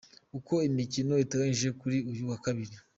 Uko imikino iteganyijwe kuri uyu wa Kabiri :.